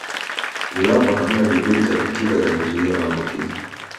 Iwapo hamna juhudi za kitiba za kuzuia maambukizi